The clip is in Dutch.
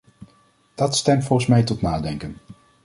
Dat stemt volgens mij tot nadenken.